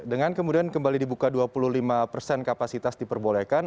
dengan kemudian kembali dibuka dua puluh lima persen kapasitas diperbolehkan